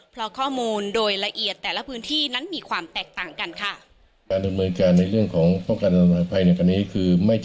เพราะข้อมูลโดยละเอียดแต่ละพื้นที่นั้นมีความแตกต่างกันค่ะ